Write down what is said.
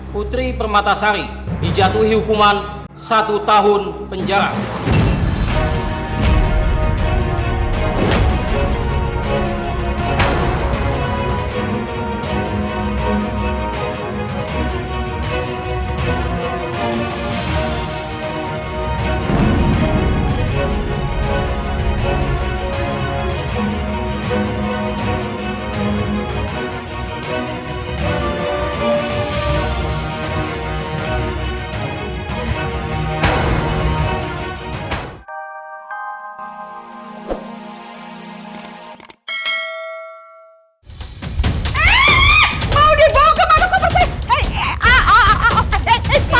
putri permatasari dijatuhi hukuman satu tahun penjara